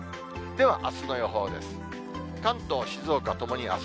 ではあすの予報です。